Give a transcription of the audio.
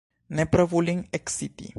Ne provu lin eksciti!